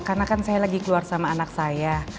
karena kan saya lagi keluar sama anak saya